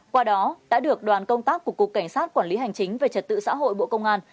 qua đó đã được đoàn công tác của cục cảnh sát quản lý hành chính về trật tự xã hội bộ công an